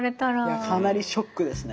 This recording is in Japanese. いやかなりショックですね。